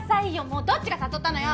もうどっちが誘ったのよ！